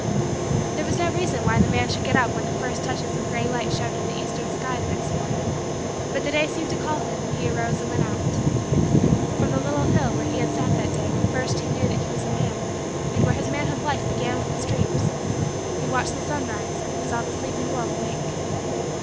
There was no reason why the man should get up when the first touches of gray light showed in the eastern sky the next morning, but the day seemed to call him and he arose and went out. From the little hill where he had sat that day when first he knew that he was a man and where his manhood life began with his dreams, he watched the sun rise and saw the sleeping world awake.